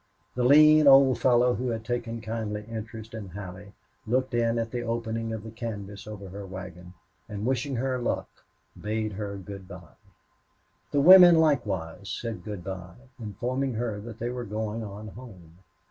The lean old fellow who had taken kindly interest in Allie looked in at the opening of the canvas over her wagon, and, wishing her luck, bade her good by. The women likewise said good by, informing her that they were going on home.